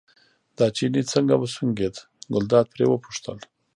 دا چيني څنګه وسونګېد، ګلداد پرې وپوښتل.